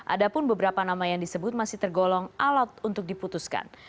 ada pun beberapa nama yang disebut masih tergolong alat untuk diputuskan